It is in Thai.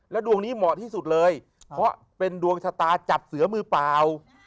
ดวงนี้เหมาะที่สุดเลยเพราะเป็นดวงชะตาจับเสือมือเปล่า